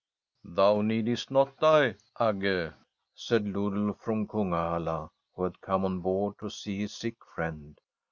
* Thou needest not die, Agge,' said Lodulf from Kunghalla, who had come on board to see his sick friend.